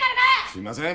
すみません。